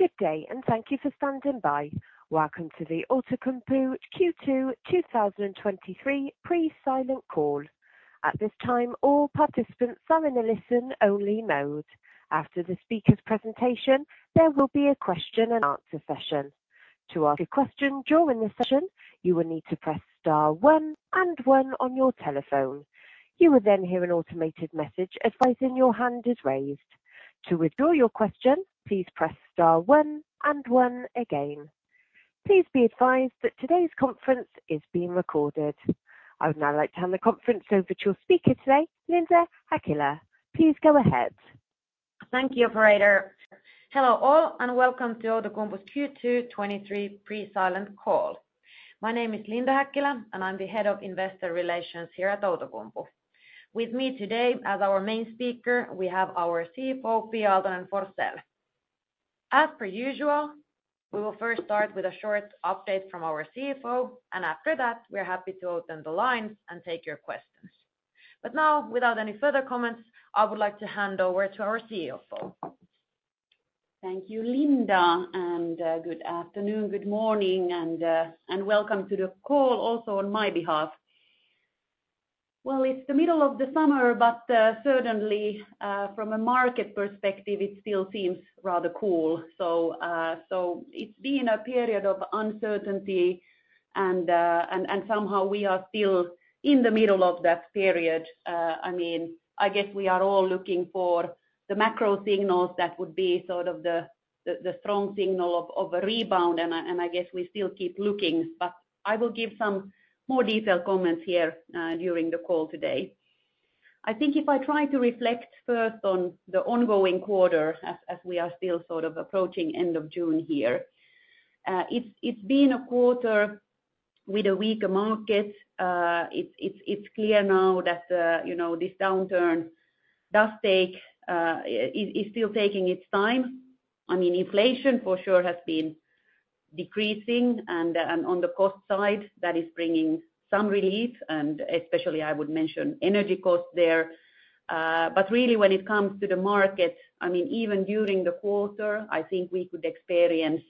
Good day. Thank you for standing by. Welcome to the Outokumpu Q2 2023 Pre-Silent Call. At this time, all participants are in a listen-only mode. After the speaker's presentation, there will be a question and answer session. To ask a question during the session, you will need to press star one and one on your telephone. You will then hear an automated message advising your hand is raised. To withdraw your question, please press star one and one again. Please be advised that today's conference is being recorded. I would now like to hand the conference over to your speaker today, Linda Häkkilä. Please go ahead. Thank you, operator. Hello, all, and welcome to Outokumpu's Q2 2023 Pre-Silent Call. My name is Linda Häkkilä, and I'm the Head of Investor Relations here at Outokumpu. With me today, as our main speaker, we have our CFO, Pia Aaltonen-Forsell. As per usual, we will first start with a short update from our CFO, and after that, we're happy to open the lines and take your questions. Now, without any further comments, I would like to hand over to our CFO. Thank you, Linda. Good afternoon, good morning, and welcome to the call, also on my behalf. Well, it's the middle of the summer. Certainly, from a market perspective, it still seems rather cool. It's been a period of uncertainty, and somehow we are still in the middle of that period. I mean, I guess we are all looking for the macro signals that would be sort of the strong signal of a rebound, and I guess we still keep looking. I will give some more detailed comments here during the call today. I think if I try to reflect first on the ongoing quarter, as we are still sort of approaching end of June here, it's been a quarter with a weaker market. It's clear now that, you know, this downturn does take, it's still taking its time. I mean, inflation, for sure, has been decreasing, and on the cost side, that is bringing some relief, and especially I would mention energy costs there. Really, when it comes to the market, I mean, even during the quarter, I think we could experience,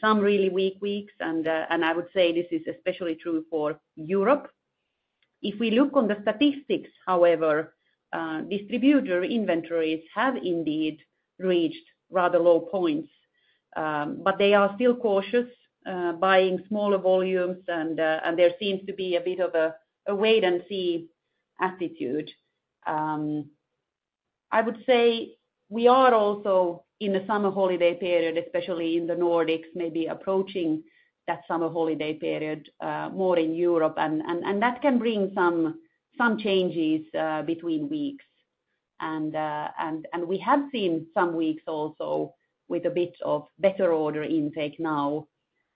some really weak weeks, and I would say this is especially true for Europe. If we look on the statistics, however, distributor inventories have indeed reached rather low points, but they are still cautious, buying smaller volumes, and there seems to be a bit of a wait-and-see attitude. I would say we are also in the summer holiday period, especially in the Nordics, maybe approaching that summer holiday period, more in Europe, and that can bring some changes between weeks. We have seen some weeks also with a bit of better order intake now.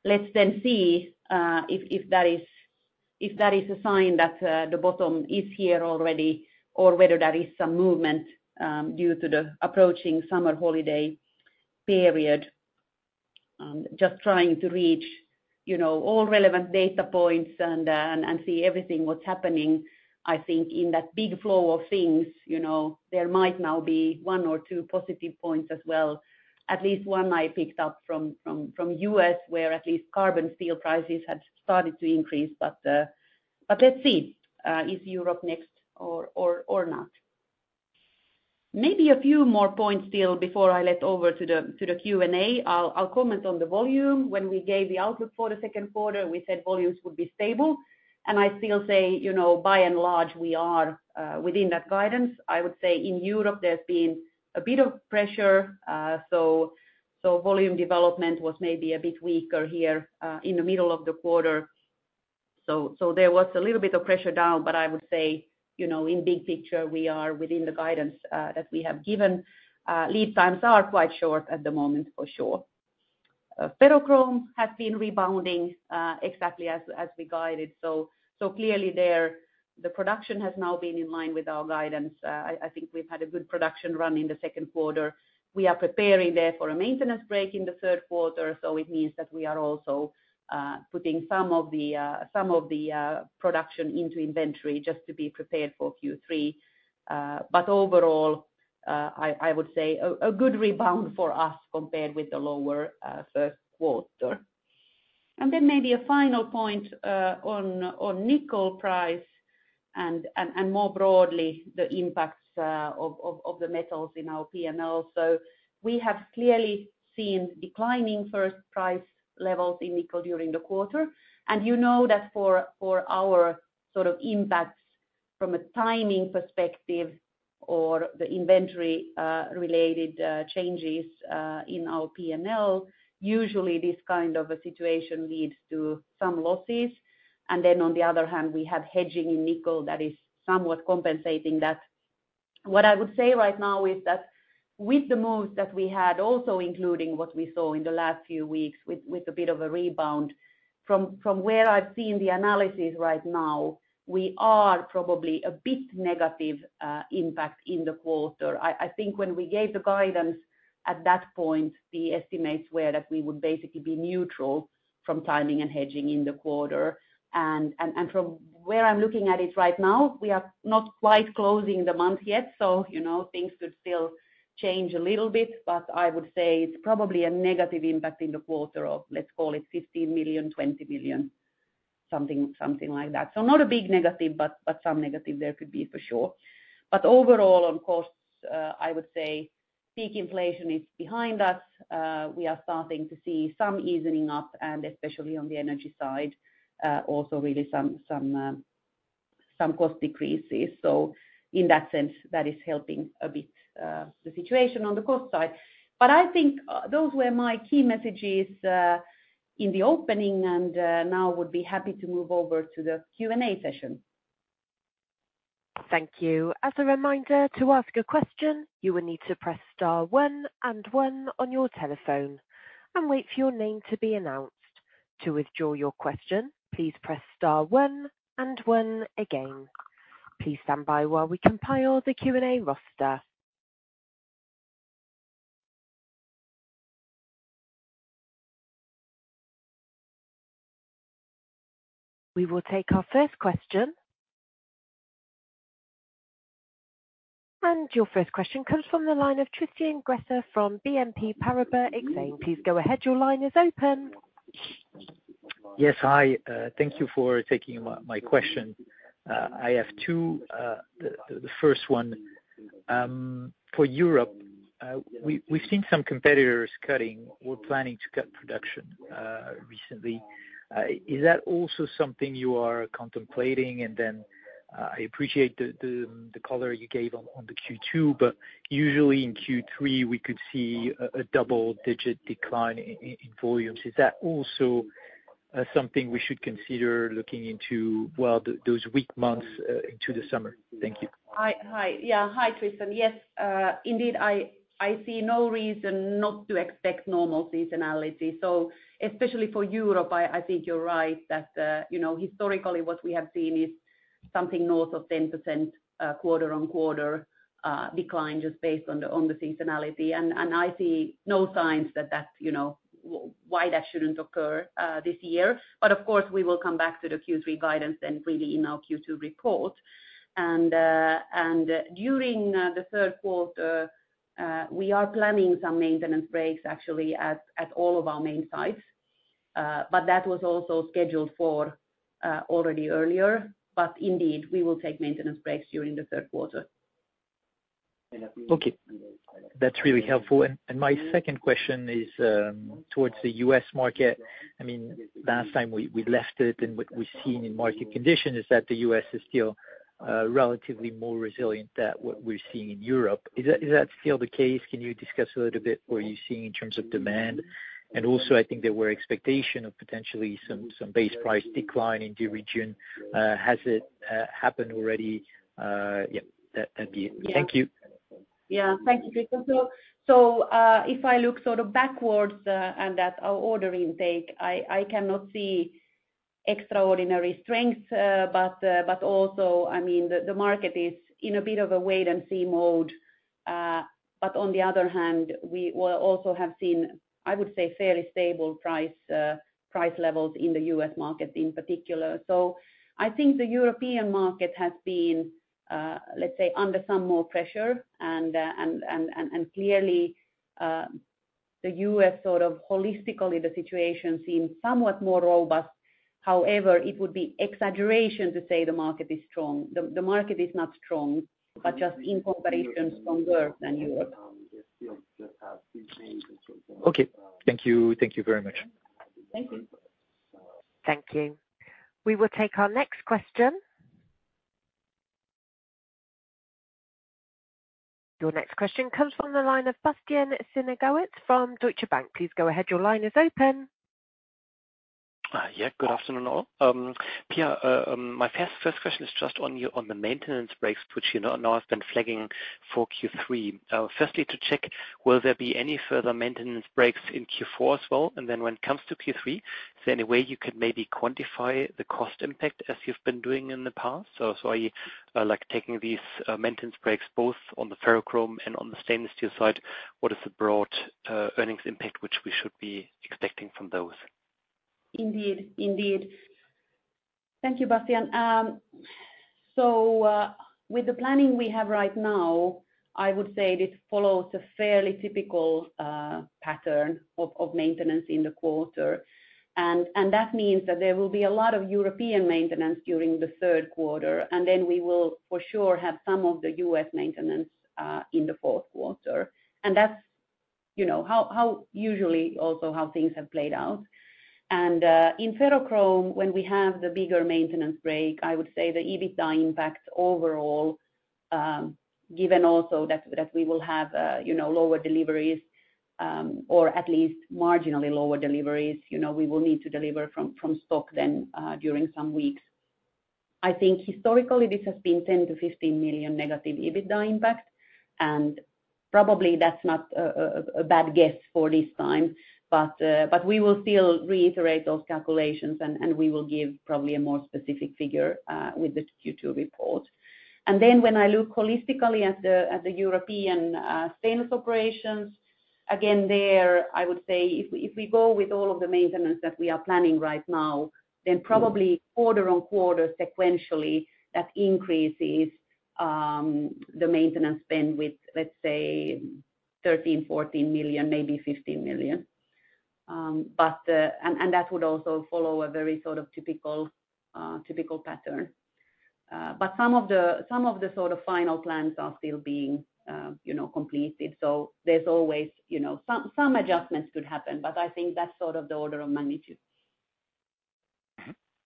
Let's then see if that is a sign that the bottom is here already or whether that is some movement due to the approaching summer holiday period. Just trying to reach, you know, all relevant data points and see everything what's happening. I think in that big flow of things, you know, there might now be one or two positive points as well. At least one I picked up from U.S., where at least carbon steel prices have started to increase, but let's see, is Europe next or not? Maybe a few more points still before I let over to the Q&A. I'll comment on the volume. When we gave the output for the second quarter, we said volumes would be stable, and I still say, you know, by and large, we are within that guidance. I would say in Europe, there's been a bit of pressure, so volume development was maybe a bit weaker here in the middle of the quarter. There was a little bit of pressure down, but I would say, you know, in big picture, we are within the guidance that we have given. Lead times are quite short at the moment, for sure. Ferrochrome has been rebounding, exactly as we guided. Clearly there, the production has now been in line with our guidance. I think we've had a good production run in the second quarter. We are preparing there for a maintenance break in the third quarter, so it means that we are also putting some of the production into inventory just to be prepared for Q3. Overall, I would say a good rebound for us compared with the lower first quarter. Maybe a final point on nickel price and more broadly, the impacts of the metals in our P&L. We have clearly seen declining price levels in nickel during the quarter, and you know that for our sort of impacts from a timing perspective or the inventory related changes in our P&L, usually this kind of a situation leads to some losses. On the other hand, we have hedging in nickel that is somewhat compensating that. What I would say right now is that with the moves that we had, also including what we saw in the last few weeks with a bit of a rebound, from where I've seen the analysis right now, we are probably a bit negative impact in the quarter. I think when we gave the guidance at that point, the estimates were that we would basically be neutral from timing and hedging in the quarter. From where I'm looking at it right now, we are not quite closing the month yet, you know, things could still change a little bit, but I would say it's probably a negative impact in the quarter of, let's call it, 15 million, 20 million, something like that. Not a big negative, but some negative there could be for sure. Overall, on costs, I would say peak inflation is behind us. We are starting to see some easing up, and especially on the energy side, also really some cost decreases. In that sense, that is helping a bit, the situation on the cost side. I think, those were my key messages in the opening, now I would be happy to move over to the Q&A session. Thank you. As a reminder, to ask a question, you will need to press star one and one on your telephone and wait for your name to be announced. To withdraw your question, please press star one and one again. Please stand by while we compile the Q&A roster. We will take our first question. Your first question comes from the line of Tristan Gresser from BNP Paribas Exane. Please go ahead. Your line is open. Yes. Hi, thank you for taking my question. I have two. The first one for Europe, we've seen some competitors cutting or planning to cut production recently. Is that also something you are contemplating? I appreciate the color you gave on the Q2, but usually in Q3, we could see a double-digit decline in volumes. Is that also something we should consider looking into, well, those weak months into the summer? Thank you. Hi, Tristan. Yes, indeed, I see no reason not to expect normal seasonality. Especially for Europe, I think you're right that, you know, historically, what we have seen is something north of 10% quarter-on-quarter decline, just based on the seasonality. I see no signs that that's, you know, why that shouldn't occur this year. Of course, we will come back to the Q3 guidance and really in our Q2 report. During the third quarter, we are planning some maintenance breaks actually at all of our main sites. That was also scheduled for already earlier. Indeed, we will take maintenance breaks during the third quarter. Okay. That's really helpful. My second question is, towards the US market. I mean, last time we left it and what we've seen in market conditions is that the US is still relatively more resilient than what we're seeing in Europe. Is that still the case? Can you discuss a little bit what you're seeing in terms of demand? Also, I think there were expectation of potentially some base price decline in the region. Has it happened already? Yeah, that'd be it. Thank you. Yeah. Thank you, Tristan. If I look sort of backwards, and at our order intake, I cannot see extraordinary strength, but also, I mean, the market is in a bit of a wait and see mode. On the other hand, we will also have seen, I would say, fairly stable price levels in the U.S. market in particular. I think the European market has been, let's say, under some more pressure. And clearly, the U.S., sort of holistically, the situation seem somewhat more robust. However, it would be exaggeration to say the market is strong. The market is not strong, but just in comparison, stronger than Europe. Okay. Thank you. Thank you very much. Thank you. Thank you. We will take our next question. Your next question comes from the line of Bastian Synagowitz from Deutsche Bank. Please go ahead. Your line is open. Yeah, good afternoon, all. Pia, my first question is just on your, on the maintenance breaks, which you know, now have been flagging for Q3. Firstly, to check, will there be any further maintenance breaks in Q4 as well? When it comes to Q3, is there any way you could maybe quantify the cost impact as you've been doing in the past? So are you like taking these maintenance breaks both on the ferrochrome and on the stainless steel side, what is the broad earnings impact, which we should be expecting from those? Indeed, indeed. Thank you, Bastian. With the planning we have right now, I would say this follows a fairly typical pattern of maintenance in the quarter. That means that there will be a lot of European maintenance during the third quarter. We will, for sure, have some of the US maintenance in the fourth quarter. That's, you know, how usually also how things have played out. In ferrochrome, when we have the bigger maintenance break, I would say the EBITDA impact overall, given also that we will have, you know, lower deliveries, or at least marginally lower deliveries, you know, we will need to deliver from stock then during some weeks. I think historically, this has been 10-15 million negative EBITDA impact, probably that's not a bad guess for this time. We will still reiterate those calculations, and we will give probably a more specific figure with the Q2 report. When I look holistically at the European stainless operations, again there, I would say if we go with all of the maintenance that we are planning right now, then probably quarter-on-quarter sequentially, that increases the maintenance spend with 13 million, 14 million, maybe 15 million. And that would also follow a very sort of typical pattern. Some of the sort of final plans are still being, you know, completed. There's always, you know, some adjustments could happen, but I think that's sort of the order of magnitude.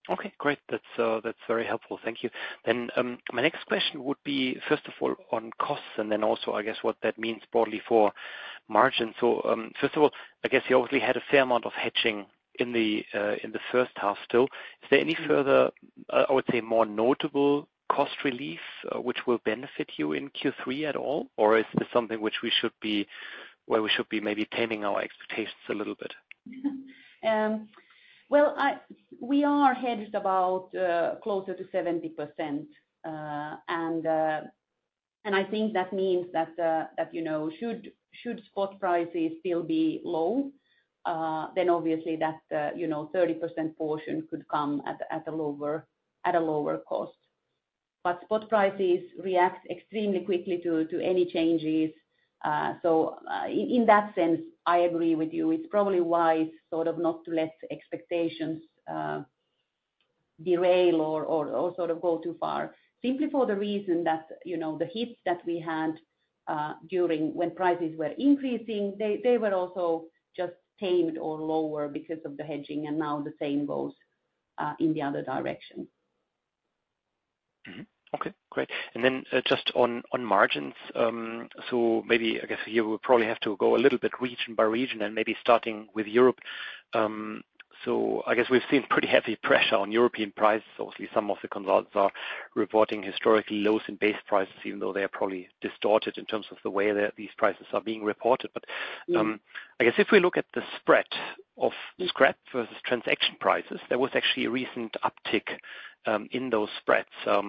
Okay, great. That's very helpful. Thank you. My next question would be, first of all, on costs, and then also, I guess, what that means broadly for margin. First of all, I guess you obviously had a fair amount of hedging in the first half still. Is there any further, I would say, more notable cost relief, which will benefit you in Q3 at all? Or is this something where we should be maybe taming our expectations a little bit? Well, we are hedged about closer to 70%. I think that means that, you know, should spot prices still be low, then obviously that, you know, 30% portion could come at a lower, at a lower cost. Spot prices react extremely quickly to any changes. In that sense, I agree with you. It's probably wise, sort of not to let expectations derail or sort of go too far, simply for the reason that, you know, the hits that we had during when prices were increasing, they were also just tamed or lower because of the hedging, and now the same goes in the other direction. Okay, great. Just on margins, maybe, I guess, here we'll probably have to go a little bit region by region and maybe starting with Europe. I guess we've seen pretty heavy pressure on European prices. Obviously, some of the consultants are reporting historically lows in base prices, even though they are probably distorted in terms of the way that these prices are being reported. Mm. I guess if we look at the spread of scrap versus transaction prices, there was actually a recent uptick in those spreads. I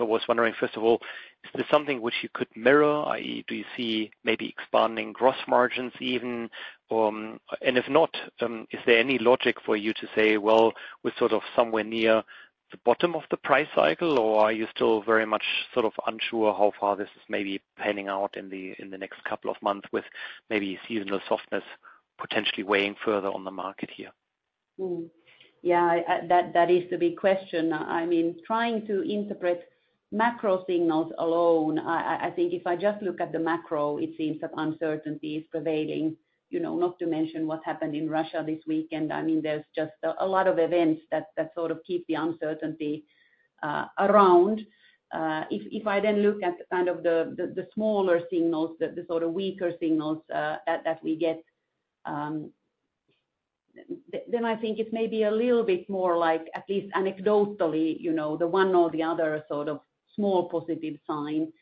was wondering, first of all, is this something which you could mirror, i.e., do you see maybe expanding gross margins even? If not, is there any logic for you to say, well, we're sort of somewhere near the bottom of the price cycle, or are you still very much sort of unsure how far this is maybe panning out in the next couple of months, with maybe seasonal softness potentially weighing further on the market here? Yeah, that is the big question. I mean, trying to interpret macro signals alone, I think if I just look at the macro, it seems that uncertainty is prevailing, you know, not to mention what happened in Russia this weekend. I mean, there's just a lot of events that sort of keep the uncertainty around. If I then look at kind of the smaller signals, the sort of weaker signals that we get, then I think it's maybe a little bit more like, at least anecdotally, you know, the one or the other sort of small positive sign.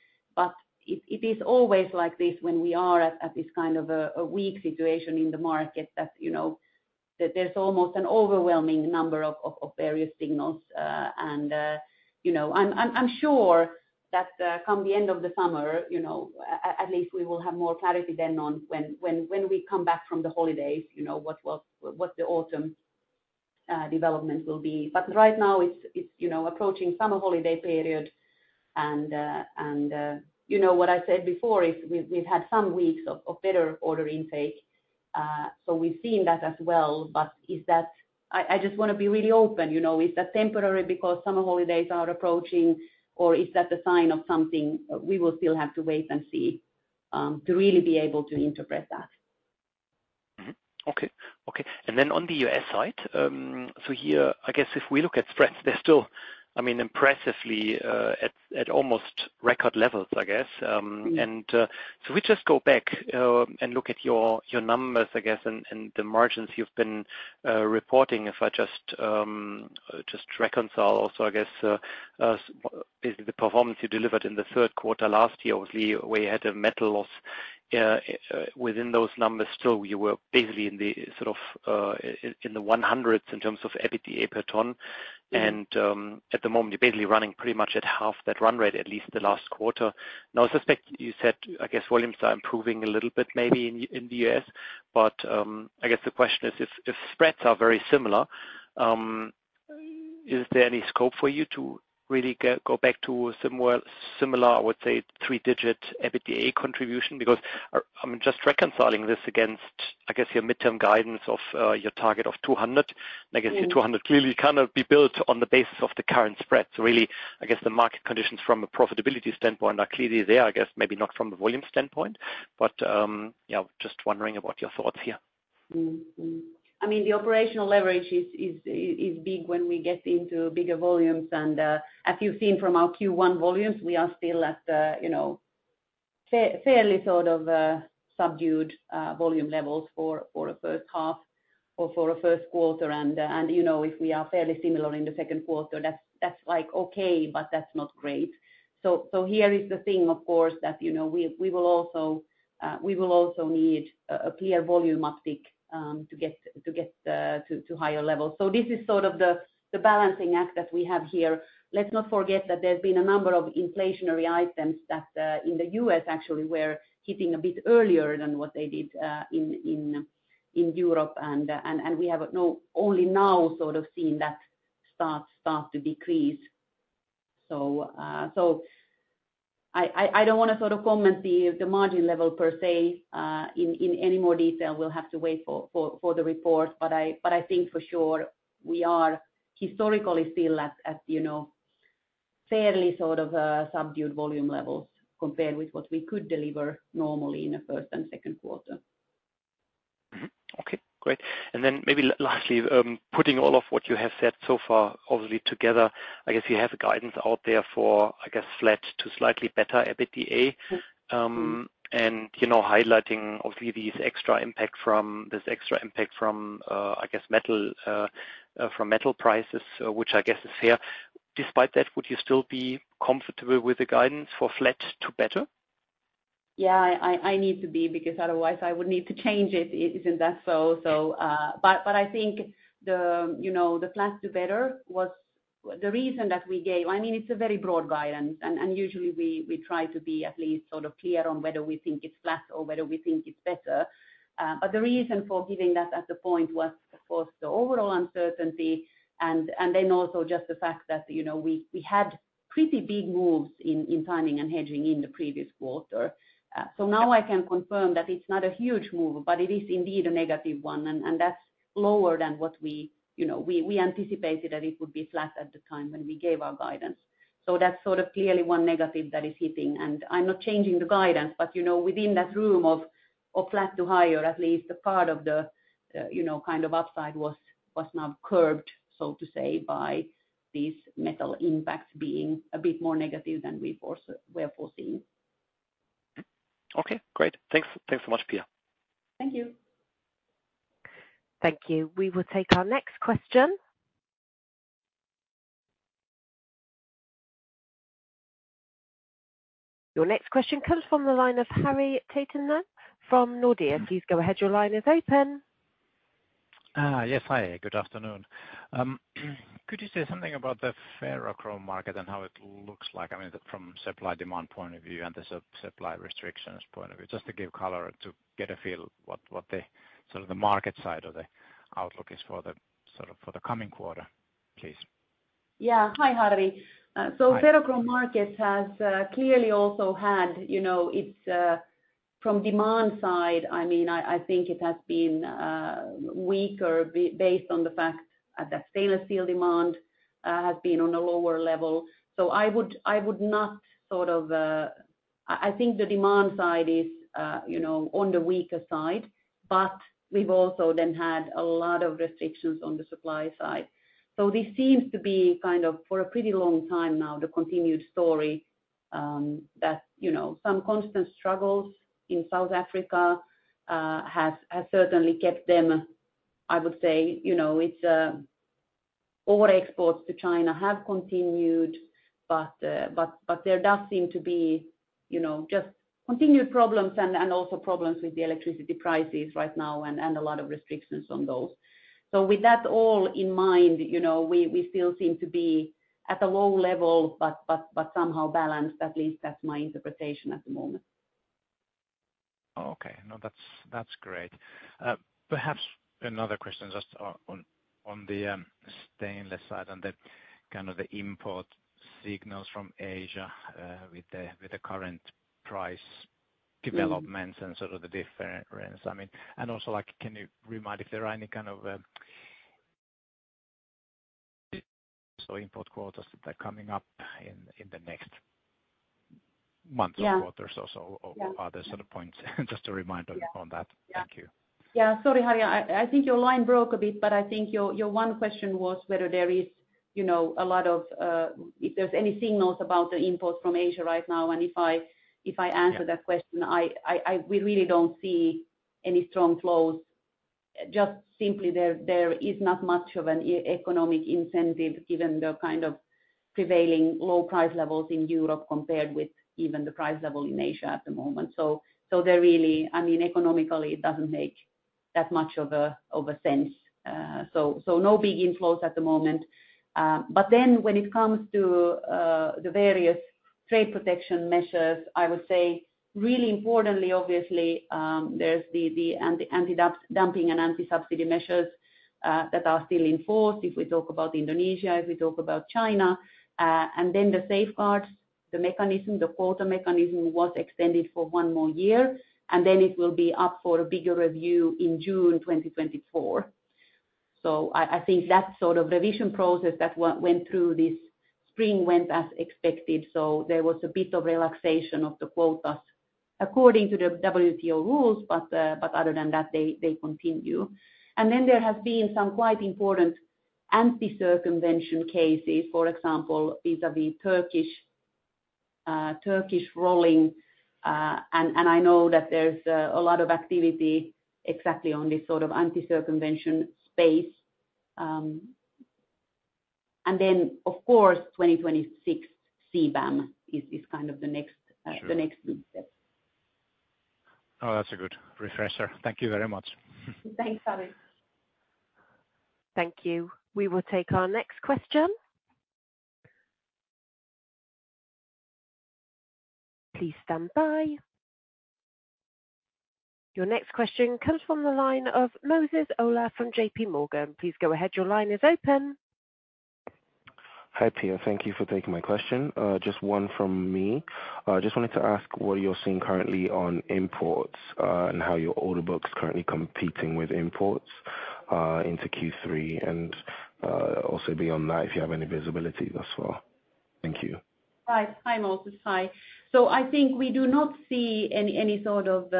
It is always like this when we are at this kind of a weak situation in the market that, you know, that there's almost an overwhelming number of various signals. You know, I'm sure that come the end of the summer, you know, at least we will have more clarity then on when we come back from the holidays, you know, what the autumn development will be. Right now, it's, you know, approaching summer holiday period. You know, what I said before is we've had some weeks of better order intake. We've seen that as well. Is that... I just want to be really open, you know, is that temporary because summer holidays are approaching, or is that a sign of something? We will still have to wait and see to really be able to interpret that. Okay, okay. Then on the US side, here, I guess if we look at spreads, they're still, I mean, impressively, at almost record levels, I guess. Mm. We just go back and look at your numbers, I guess, and the margins you've been reporting. If I just reconcile also, I guess, is the performance you delivered in the third quarter last year, obviously, where you had a metal loss within those numbers. Still, you were basically in the, sort of, in the one hundreds in terms of EBITDA per tonne. Mm. At the moment, you're basically running pretty much at half that run rate, at least the last quarter. I suspect you said, I guess volumes are improving a little bit, maybe in the US. I guess the question is, if spreads are very similar, is there any scope for you to really go back to a similar, I would say, three-digit EBITDA contribution? Because, I mean, just reconciling this against, I guess, your mid-term guidance of your target of 200. Mm. I guess your 200 clearly cannot be built on the basis of the current spreads. Really, I guess the market conditions from a profitability standpoint are clearly there, I guess, maybe not from a volume standpoint, but, yeah, just wondering about your thoughts here. I mean, the operational leverage is big when we get into bigger volumes. As you've seen from our Q1 volumes, we are still at, you know, fairly sort of subdued volume levels for a first half or for a first quarter. If we are fairly similar in the second quarter, that's like, okay, but that's not great. Here is the thing, of course, that, you know, we will also need a clear volume uptick to get to higher levels. This is sort of the balancing act that we have here. Let's not forget that there have been a number of inflationary items that, in the U.S., actually were hitting a bit earlier than what they did in Europe. we have only now sort of seeing that start to decrease. so I don't wanna sort of comment the margin level per se in any more detail. We'll have to wait for the report. I think for sure we are historically still at, you know, fairly sort of subdued volume levels compared with what we could deliver normally in a first and second quarter. Okay, great. Then maybe lastly, putting all of what you have said so far, obviously, together, I guess you have a guidance out there for, I guess, flat to slightly better EBITDA. Yes. Mm. You know, highlighting obviously, this extra impact from, I guess, from metal prices, which I guess is fair. Despite that, would you still be comfortable with the guidance for flat to better? I need to be, because otherwise I would need to change it. Isn't that so? I think the, you know, the flat to better was the reason that we gave. I mean, it's a very broad guidance, and usually we try to be at least sort of clear on whether we think it's flat or whether we think it's better. The reason for giving that as a point was, of course, the overall uncertainty, and then also just the fact that, you know, we had pretty big moves in timing and hedging in the previous quarter. Now I can confirm that it's not a huge move, but it is indeed a negative one, and that's lower than what we, you know, we anticipated that it would be flat at the time when we gave our guidance. That's sort of clearly one negative that is hitting. I'm not changing the guidance, but, you know, within that room of flat to higher, at least a part of the, you know, kind of upside was now curbed, so to say, by these metal impacts being a bit more negative than we were foreseeing. Okay, great. Thanks. Thanks so much, Pia. Thank you. Thank you. We will take our next question. Your next question comes from the line of Harri Taittonen from Nordea. Please go ahead. Your line is open. Yes, hi, good afternoon. Could you say something about the ferrochrome market and how it looks like? I mean, from supply-demand point of view and the supply restrictions point of view, just to give color, to get a feel what the sort of the market side or the outlook is sort of for the coming quarter, please? Yeah. Hi, Harry. Hi. Ferrochrome markets has clearly also had, you know, its from demand side, I mean, I think it has been weaker based on the fact that the stainless steel demand has been on a lower level. I would not sort of. I think the demand side is, you know, on the weaker side. We've also then had a lot of restrictions on the supply side. This seems to be kind of, for a pretty long time now, the continued story, that, you know, some constant struggles in South Africa has certainly kept them, I would say, you know, its over exports to China have continued, but there does seem to be, you know, just continued problems and also problems with the electricity prices right now and a lot of restrictions on those. With that all in mind, you know, we still seem to be at a low level, but somehow balanced. At least that's my interpretation at the moment. Okay. No, that's great. Perhaps another question just on the stainless side and the kind of the import signals from Asia, with the current price developments... Mm... and sort of the difference. I mean, and also, like, can you remind if there are any kind of, so import quotas that are coming up in the next months? Yeah... or quarters or so, or, other sort of points? Just a reminder on that. Yeah. Thank you. Yeah. Sorry, Harri, I think your line broke a bit, but I think your one question was whether there is, you know, a lot of, if there's any signals about the imports from Asia right now, and if I answer that question, we really don't see any strong flows. Just simply there is not much of an economic incentive given the kind of prevailing low price levels in Europe compared with even the price level in Asia at the moment. There really, I mean, economically, it doesn't make that much of a sense. No big inflows at the moment. When it comes to the various trade protection measures, I would say really importantly, obviously, there's the anti-dumping and anti-subsidy measures that are still in force, if we talk about Indonesia, if we talk about China. The safeguards, the mechanism, the quota mechanism was extended for one more year, and then it will be up for a bigger review in June 2024. I think that sort of revision process that went through this spring went as expected. There was a bit of relaxation of the quotas according to the WTO rules, but other than that, they continue. There have been some quite important anti-circumvention cases, for example, vis-à-vis Turkish rolling, and I know that there's a lot of activity exactly on this sort of anti-circumvention space. Of course, 2026, CBAM, is kind of the next- Sure... the next big step. Oh, that's a good refresher. Thank you very much. Thanks, Harri. Thank you. We will take our next question.... Please stand by. Your next question comes from the line of Moses Ola from JP Morgan. Please go ahead. Your line is open. Hi, Pia. Thank you for taking my question. Just one from me. Just wanted to ask what you're seeing currently on imports, and how your order book is currently competing with imports, into Q3, and also beyond that, if you have any visibility as well. Thank you. Hi. Hi, Moses. Hi. I think we do not see any sort of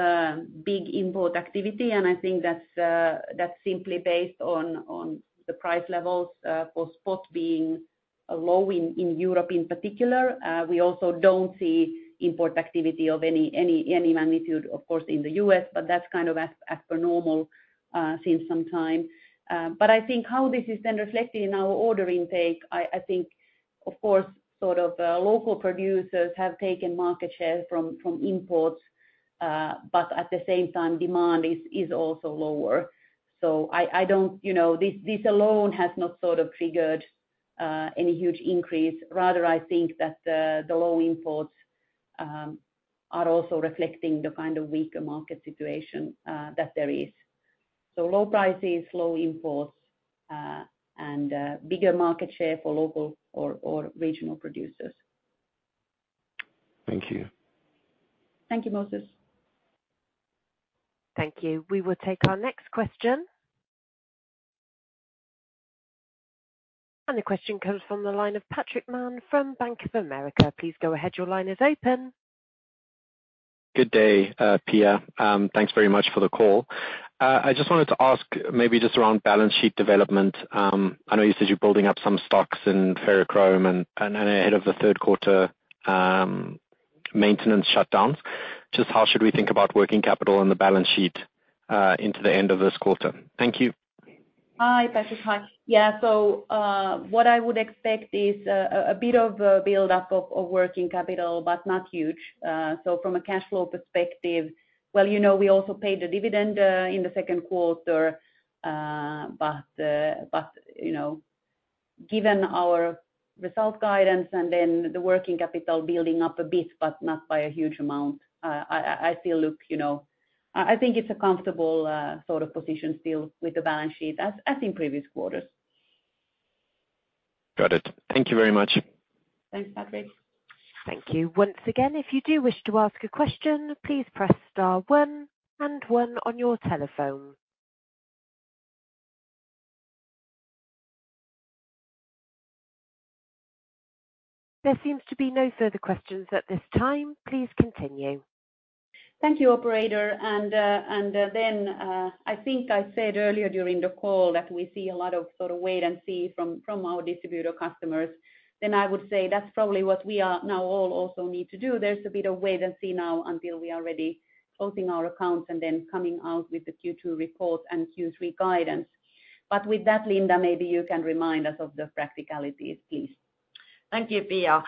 big import activity, and I think that's simply based on the price levels for spot being low in Europe in particular. We also don't see import activity of any magnitude, of course, in the US, but that's kind of as per normal since some time. I think how this is then reflected in our order intake, I think, of course, sort of local producers have taken market share from imports, but at the same time, demand is also lower. I don't, you know, this alone has not sort of triggered any huge increase. Rather, I think that the low imports are also reflecting the kind of weaker market situation that there is. Low prices, low imports, and bigger market share for local or regional producers. Thank you. Thank you, Moses. Thank you. We will take our next question. The question comes from the line of Patrick Mann from Bank of America. Please go ahead. Your line is open. Good day, Pia. Thanks very much for the call. I just wanted to ask maybe just around balance sheet development. I know you said you're building up some stocks in ferrochrome and ahead of the third quarter maintenance shutdowns. Just how should we think about working capital on the balance sheet into the end of this quarter? Thank you. Hi, Patrick. Hi. Yeah, what I would expect is a bit of a buildup of working capital, but not huge. From a cash flow perspective, well, you know, we also paid a dividend in the second quarter. You know, given our result guidance and then the working capital building up a bit, but not by a huge amount, I still look, you know. I think it's a comfortable sort of position still with the balance sheet, as in previous quarters. Got it. Thank you very much. Thanks, Patrick. Thank you. Once again, if you do wish to ask a question, please press star one and one on your telephone. There seems to be no further questions at this time. Please continue. Thank you, operator. I think I said earlier during the call that we see a lot of sort of wait and see from our distributor customers. I would say that's probably what we are, now all also need to do. There's a bit of wait and see now until we are ready, closing our accounts and then coming out with the Q2 report and Q3 guidance. With that, Linda, maybe you can remind us of the practicalities, please. Thank you, Pia.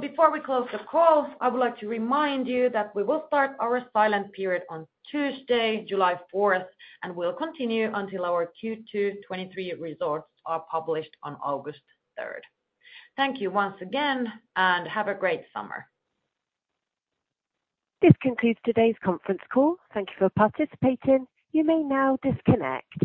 Before we close the call, I would like to remind you that we will start our silent period on Tuesday, July 4th, and will continue until our Q2 2023 results are published on August 3rd. Thank you once again, and have a great summer. This concludes today's conference call. Thank you for participating. You may now disconnect.